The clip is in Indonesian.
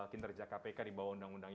kinerja kpk di bawah undang undang